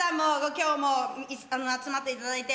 きょうも、集まっていただいて。